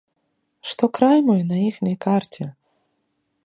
Што край мой на іхняй карце?